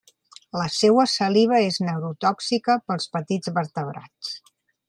La seua saliva és neurotòxica pels petits vertebrats.